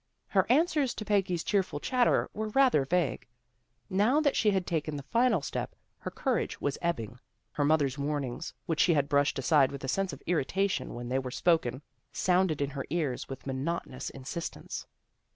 Her answers to Peggy's cheerful chatter were rather vague. Now that she had taken the final step her courage was ebbing. Her mother's warnings, which she had brushed aside with a sense of irritation when they were spoken, sounded in her ears with monotonous insistence.